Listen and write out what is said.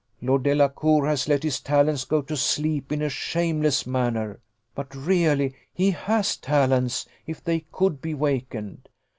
Lord Delacour has let his talents go to sleep in a shameless manner; but really he has talents, if they could be wakened.